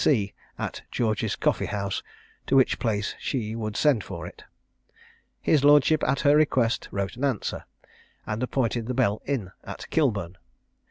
B. C. at George's Coffee house, to which place she would send for it. His lordship at her request, wrote an answer, and appointed the Bell Inn, at Kilburn.